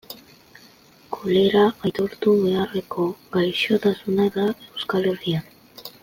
Kolera aitortu beharreko gaixotasuna da Euskal Herrian.